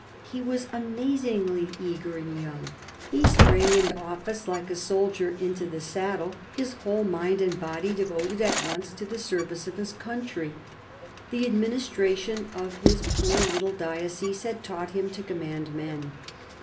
He was amazingly eager and young. He sprang into office like a soldier into the saddle, his whole mind and body devoted at once to the service of his country. The administration of his poor little diocese had taught him to command men.